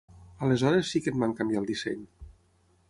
Aleshores sí que en van canviar el disseny.